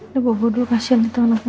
udah bubuk dulu kasih aja gitu anaknya